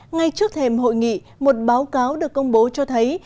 ngay trước thềm hội nghị một báo cáo được công bố cho thấy